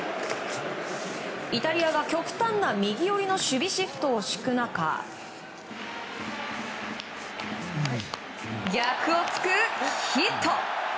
イタリアが、極端な右寄りの守備シフトを敷く中逆を突くヒット。